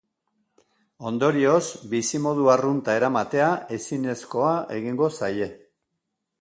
Ondorioz, bizimodu arrunta eramatea ezinezkoa egingo zaie.